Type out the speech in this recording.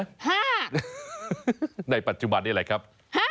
ในปัจจุบันนี้แหละครับ